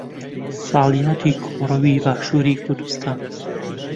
ساڵیادی کۆڕەوی باشووری کوردستان